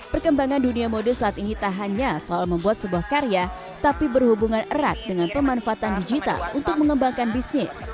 perkembangan dunia mode saat ini tak hanya soal membuat sebuah karya tapi berhubungan erat dengan pemanfaatan digital untuk mengembangkan bisnis